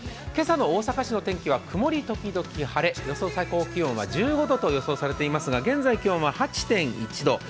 今朝の大阪市の天気は曇り時々晴れ、予想最高気温は１５度予想されていますが現在、気温は８．１度。